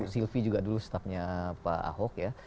silpi juga dulu staffnya pak ahok